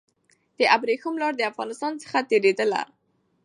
د ابريښم لار د افغانستان څخه تېرېدله.